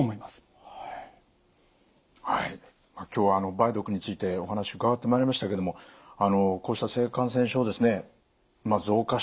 はい今日は梅毒についてお話伺ってまいりましたけどもこうした性感染症増加していってると。